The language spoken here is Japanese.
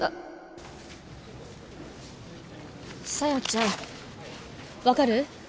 沙耶ちゃん分かる？